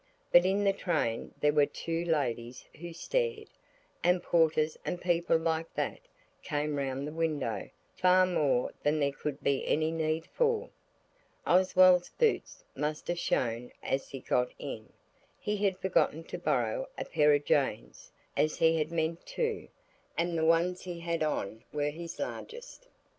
But in the train there were two ladies who stared, and porters and people like that came round the window far more than there could be any need for. Oswald's boots must have shown as he got in. He had forgotten to borrow a pair of Jane's, as he had meant to, and the ones he had on were his largest.